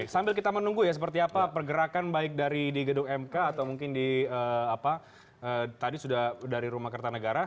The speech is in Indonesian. sambil kita menunggu ya seperti apa pergerakan baik dari di gedung mk atau mungkin di apa tadi sudah dari rumah kertanegara